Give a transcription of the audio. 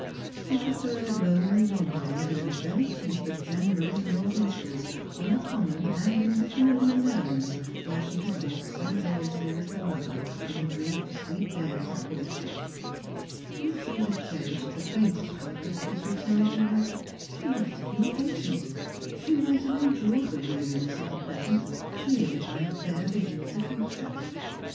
She preferred lonely wanderings in the very teeth of January's north easters, on the common and in the tamiliar lanes where she had walked so joyously with her lover in the brief sweet days of courtship. If she had cherished the faintest hope of his return to her, she might have been patient, she might have endured the weariness of the present, cheered by a fair vision of the future. Strangers and Pilgrims.